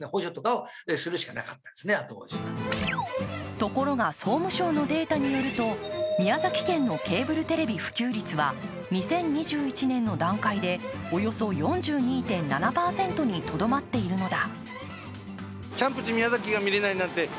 ところが、総務省のデータによると、宮崎県のケーブルテレビ普及率は２０２１年の段階で、およそ４２．７％にとどまっているのだ。